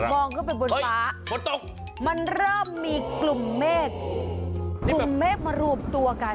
มองเข้าไปบนฟ้ามันเริ่มมีกลุ่มเมฆกลุ่มเมฆมารูปตัวกัน